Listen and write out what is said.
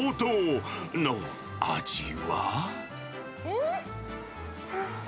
うん！